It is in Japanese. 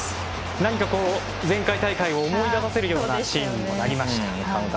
何か前回大会を思い出させるシーンでもありました。